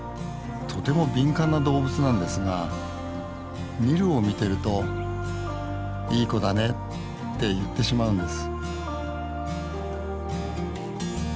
とても敏感な動物なんですがニルを見てると「いい子だね」って言ってしまうんです